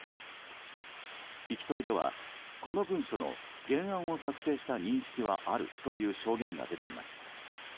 聞き取りでは、この文書の原案を作成した認識はあるという証言が出ています。